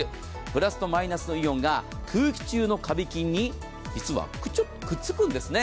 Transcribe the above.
プラスとマイナスのイオンが空気中のカビ菌にくっつくんですね。